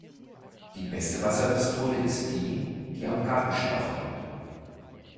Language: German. Die beste Wasserpistole ist die, die am Gartenschlauch hängt.